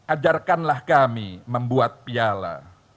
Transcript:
ajarkanlah kami membuat piala